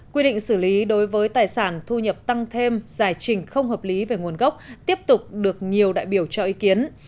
quy định xử lý đối với tài sản thu nhập tăng thêm giải trình không hợp lý về nguồn gốc tiếp tục được nhiều đại biểu cho ý kiến